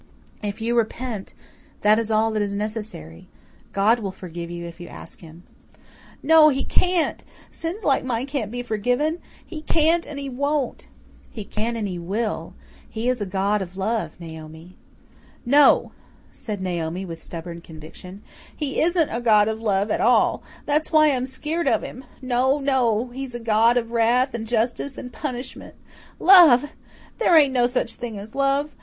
"If you repent, that is all that is necessary. God will forgive you if you ask Him." "No, He can't! Sins like mine can't be forgiven. He can't and He won't." "He can and He will. He is a God of love, Naomi." "No," said Naomi with stubborn conviction. "He isn't a God of love at all. That's why I'm skeered of him. No, no. He's a God of wrath and justice and punishment. Love! There ain't no such thing as love!